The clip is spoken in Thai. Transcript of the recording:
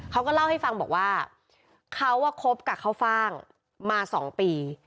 เขาก็เล่าให้ฟังบอกว่าเขาคบกับข้าวฟ่างมา๒ปี